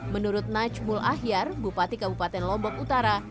menurut najmul ahyar bupati kabupaten lombok utara